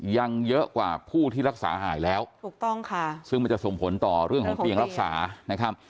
ยังเยอะกว่าผู้ที่รักษาหายแล้วถูกต้องค่ะซึ่งมันจะส่งผลต่อเรื่องของเตียงรักษานะครับ